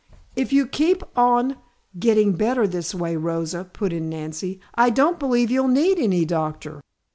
"If you keep on getting better this way, Rosa," put in Nancy, "I don't believe you'll need any doctor."